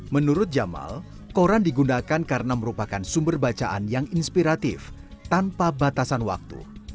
menurut jamal koran digunakan karena merupakan sumber bacaan yang inspiratif tanpa batasan waktu